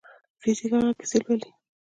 فزیک هغه کیسې لولي.